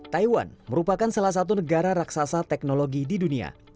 taiwan merupakan salah satu negara raksasa teknologi di dunia